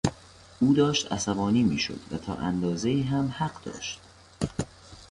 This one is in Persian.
او داشت عصبانی میشد و تا اندازهای هم حق داشت.